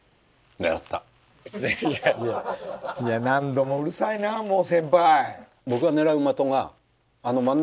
何度もうるさいなもう先輩。